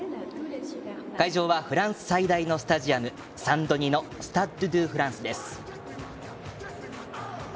会場はフランス最大のスタジアムサンドニのスタッド・ド・フランスです。